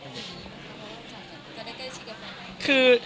แต่สมัยนี้ไม่ใช่อย่างนั้น